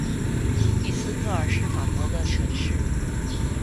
伊斯特尔是法国的城市。